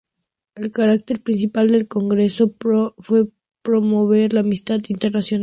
El carácter principal del congreso fue promover la amistad internacional y festines.